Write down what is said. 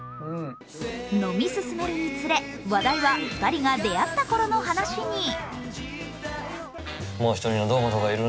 飲み進めるにつれ、話題は２人が出会ったころの話に。